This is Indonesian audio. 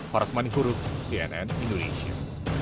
marasman huru cnn indonesia